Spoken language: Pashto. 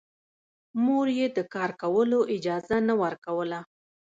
مور يې د کار کولو اجازه نه ورکوله